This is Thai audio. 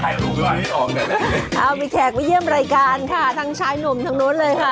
อ้าวมีแขกมาเยี่ยมรายการค่ะทั้งชายหนุ่มทางโน้นเลยค่ะ